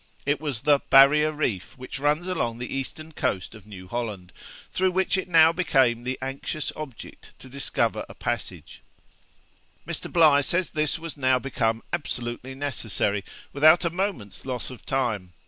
It was the 'barrier reef' which runs along the eastern coast of New Holland, through which it now became the anxious object to discover a passage; Mr. Bligh says this was now become absolutely necessary, without a moment's loss of time.